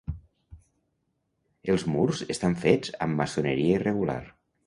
Els murs estan fets amb maçoneria irregular.